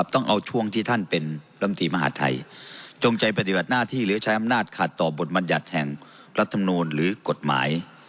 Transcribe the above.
ต้องเอาช่วงที่ท่านเป็นลำตีมหาธัยจงใจปฏิบัติหน้าที่หรือใช้อำนาจขาดต่อบทบรรยัติแห่งรัฐมนูลหรือกฎหมาย